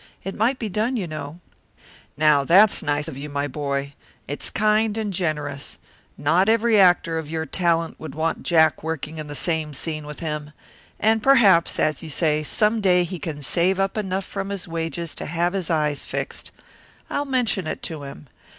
It might be done, you know." "Now that's nice of you, my boy. It's kind and generous. Not every actor of your talent would want Jack working in the same scene with him. And perhaps, as you say, some day he can save up enough from his wages to have his eyes fixed. I'll mention it to him.